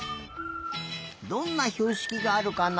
どんなひょうしきがあるかな？